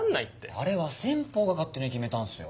あれは先方が勝手に決めたんすよ。